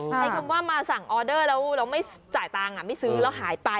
ใช้คำว่ามาสั่งออเดอร์แล้วเราไม่จ่ายตังค์ไม่ซื้อแล้วหายไป